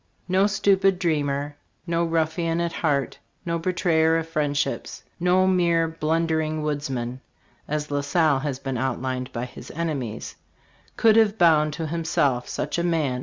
No stupid dreamer, no ruffian at heart, no be trayer of friendships, no mere blundering woodsman as La Salle has been outlined by his enemies could have bound to himself such a man as Tonty.